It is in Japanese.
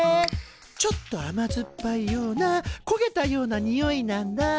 ちょっとあまずっぱいようなこげたようなにおいなんだ。